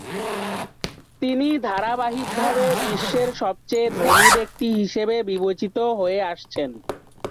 তিনি ধারাবাহিকভাবে বিশ্বের সবচেয়ে ধনী ব্যক্তি হিসেবে বিবেচিত হয়ে আসছেন।